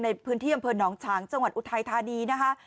ในพื้นที่อำเภอหนองฉางจังหวัดอุทัยธานีนะคะ